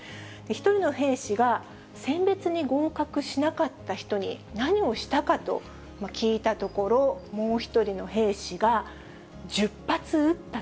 １人の兵士が、選別に合格しなかった人に何をしたかと聞いたところ、もう１人の兵士が、１０発撃った。